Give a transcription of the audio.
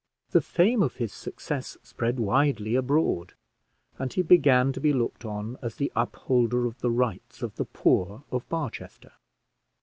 The fame of his success spread widely abroad, and he began to be looked on as the upholder of the rights of the poor of Barchester.